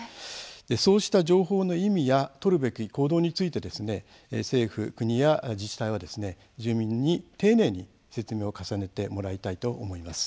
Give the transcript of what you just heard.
そうした情報の意味や取るべき行動についてですね政府、国や自治体は住民に丁寧に説明を重ねてもらいたいと思います。